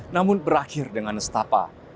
namun berakhir dengan nestapa